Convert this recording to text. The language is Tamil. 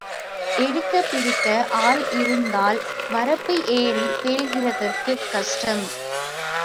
எடுக்கப் பிடிக்க ஆள் இருந்தால் வரப்பு ஏறிப் பேள்கிறதற்கும் கஷ்டம்.